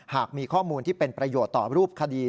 หากมีข้อมูลที่เป็นประโยชน์ต่อรูปคดี